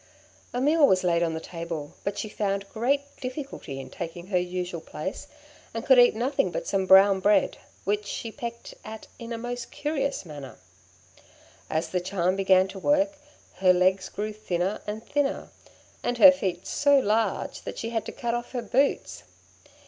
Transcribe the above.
A meal was laid on the table, but she found great difficulty in taking her usual place, and could eat nothing but some brown bread, which she pecked at in a most curious manner. As the charm began to work, her legs grew thinner and thinner, and her feet so large that she had to cut off her boots.